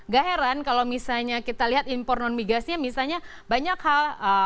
gak heran kalau misalnya kita lihat impor non migasnya misalnya banyak hal